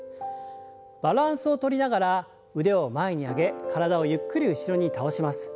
バランスをとりながら腕を前に上げ体をゆっくり後ろに倒します。